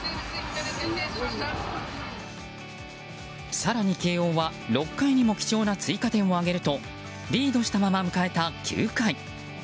更に、慶応は６回にも貴重な追加点を挙げるとリードしたまま迎えた９回。